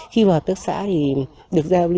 khi vào tước xã thì được giao